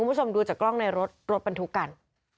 คุณผู้ชมดูจากกล้องในรถรถบรรทุกกัน